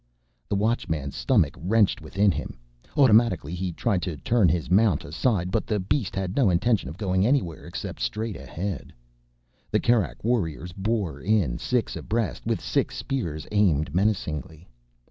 The Watchman's stomach wrenched within him. Automatically he tried to turn his mount aside. But the beast had no intention of going anywhere except straight ahead. The Kerak warriors bore in, six abreast, with six spears aimed menacingly.